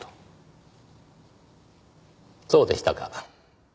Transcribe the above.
そうでしたか。